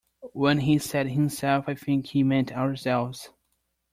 When he said himself I think he meant ourselves.